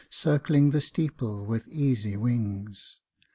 Circling the steeple with easy wings.